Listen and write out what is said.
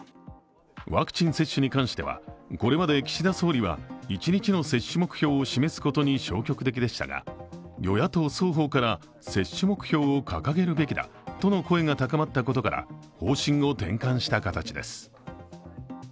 ワクチン接種に関してはこれまで岸田総理は一日の接種目標を示すことに消極的でしたが、与野党双方から接種目標を掲げるべきだとの声が高まったことから方針を転換した形です。